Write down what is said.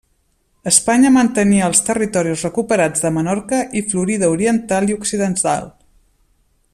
Espanya mantenia els territoris recuperats de Menorca i Florida oriental i occidental.